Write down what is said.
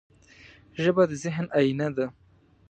ژبه د ذهن آینه ده